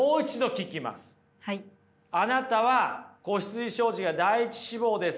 あなたは子羊商事が第１志望ですか？